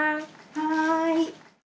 はい。